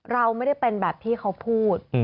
เราไม่ได้เป็นแบบที่เขาพูด